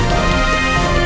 khó bắt con